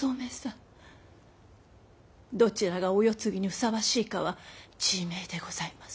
どちらがお世継ぎにふさわしいかは自明でございます。